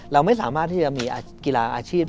เราไม่สามารถที่จะมีกีฬาอาชีพ